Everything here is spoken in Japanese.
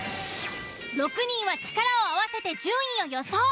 ６人は力を合わせて順位を予想。